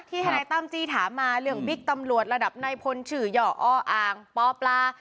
ที่ทนายต้ำจี้ถามมาเรื่องบิ๊กตำรวจระดับในพลฉริเหยาะอ้ออางปปลา